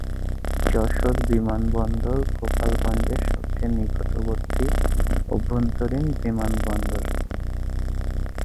যশোর বিমানবন্দর গোপালগঞ্জের সবচেয়ে নিকটবর্তী আভ্যন্তরীণ বিমানবন্দর।